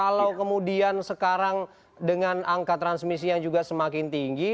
kalau kemudian sekarang dengan angka transmisi yang juga semakin tinggi